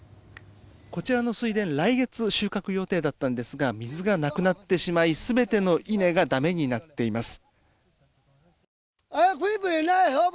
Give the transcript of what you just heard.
こちらの水田来月、収穫予定だったんですが水がなくなってしまい全ての稲が駄目になっています。